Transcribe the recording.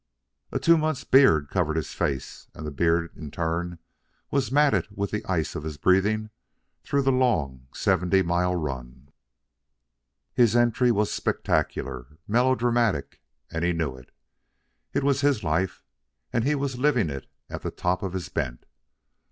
A two months' beard covered his face; and the beard, in turn, was matted with the ice of his breathing through the long seventy mile run. His entry was spectacular, melodramatic; and he knew it. It was his life, and he was living it at the top of his bent.